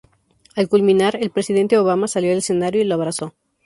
Al culminar, el presidente Obama salió al escenario y lo abrazó.